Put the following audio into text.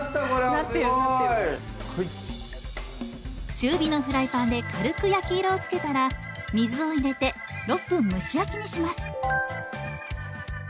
中火のフライパンで軽く焼き色をつけたら水を入れて６分蒸し焼きにします。